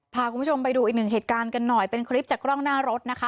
พาคุณผู้ชมไปดูอีกหนึ่งเหตุการณ์กันหน่อยเป็นคลิปจากกล้องหน้ารถนะคะ